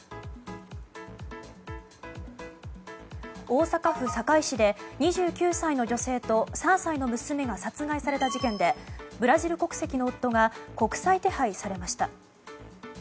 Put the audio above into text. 大阪府堺市で２９歳の女性と３歳の娘が殺害された事件でブラジル国籍の夫が国際手配されました。